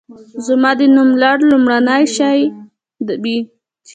زما د نوملړ لومړنی شی وي.